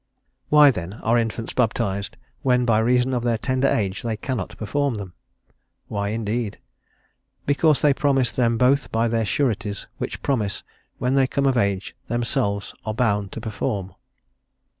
Why then are infants baptised when by reason of their tender age they cannot perform them? [Why, indeed!] Because they promise them both by their sureties, which promise, when they come of age, themselves are bound to perform."